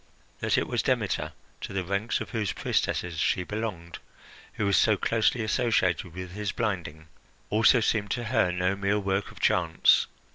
That it was Demeter, to the ranks of whose priestesses she belonged, who was so closely associated with his blinding, also seemed to her no mere work of chance.